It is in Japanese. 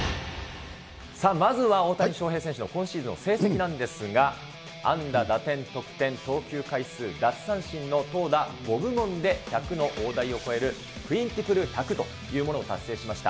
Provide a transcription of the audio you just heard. まずは大谷翔平選手の今シーズンの成績なんですが、安打、打点、得点、投球回数、奪三振の投打５部門で１００の大台を超える、クインティプル１００というものを達成しました。